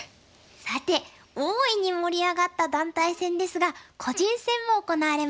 さて大いに盛り上がった団体戦ですが個人戦も行われました。